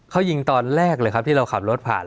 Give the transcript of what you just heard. เขายิงตอนแรกเลยครับที่เราขับรถผ่าน